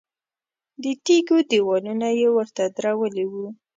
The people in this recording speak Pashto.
د تیږو دیوالونه یې ورته درولي وو.